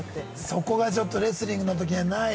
◆そこはちょっとレスリングのときはない。